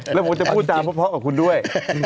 แล้วผมจะพูดจาเพราะกับคุณด้วย